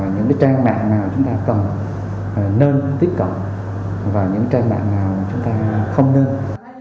những cái trang mạng nào chúng ta cần nên tiếp cận và những trang mạng nào chúng ta không nên